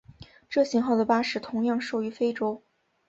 这型号的巴士同样售予非洲。